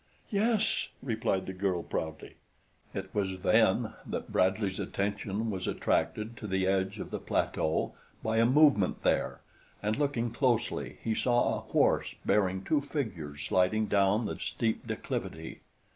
"Yes," replied the girl proudly. It was then that Bradley's attention was attracted to the edge of the plateau by a movement there, and looking closely he saw a horse bearing two figures sliding down the steep declivity.